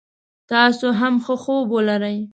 تاسو هم ښه خوب ولری